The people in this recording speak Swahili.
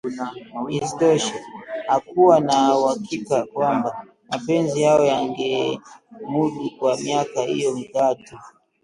Isitoshe, hakuwa na uhakika kwamba mapenzi yao yangemudu kwa miaka hiyo mitatu